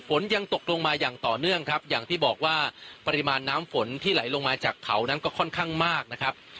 ฝนยังตกลงมาอย่างต่อเนื่องครับอย่างที่บอกว่าปริมาณน้ำฝนที่ไหลลงมาจากเขานั้นก็ค่อนข้างมากนะครับ